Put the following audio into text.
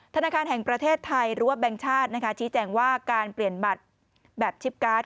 ธนาคารแห่งประเทศไทยหรือว่าแบงค์ชาติชี้แจงว่าการเปลี่ยนบัตรแบบชิปการ์ด